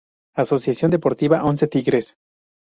Asociación Deportiva Once Tigres.